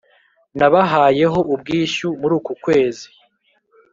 nabahaye ho ubwishyu muruku kwezi